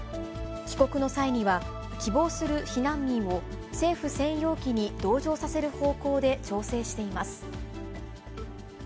帰国の際には、希望する避難民を政府専用機に同乗させる方向で調整しています。